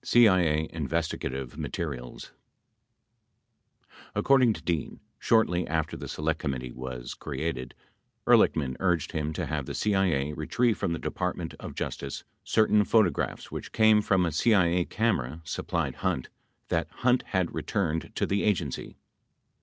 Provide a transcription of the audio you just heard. CIA INVESTIGATIVE MATERIALS According to Dean, shortly after the Select Committee was created, Ehrlichman urged him to have the CIA retrieve from the Department of Justice certain photographs which came from a CIA camera sup plied Hunt that Hunt had returned to the Agency.